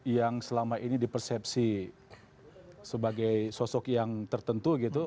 yang selama ini dipersepsi sebagai sosok yang tertentu gitu